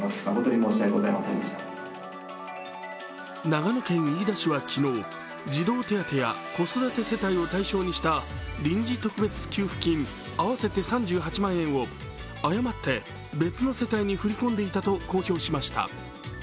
長野県飯田市は昨日、児童手当や子育て世帯を対象にした臨時特別給付金合わせて３８万円を誤って別の世帯に振り込んでいたと公表しました。